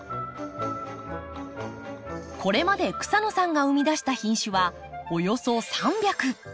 これまで草野さんが生み出した品種はおよそ３００！